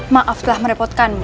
maaf telah merepotkanmu